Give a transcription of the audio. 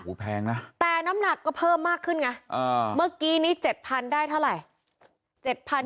แพงนะแต่น้ำหนักก็เพิ่มมากขึ้นไงเมื่อกี้นี้๗๐๐ได้เท่าไหร่